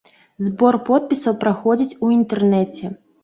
Збор подпісаў праходзіць у інтэрнэце.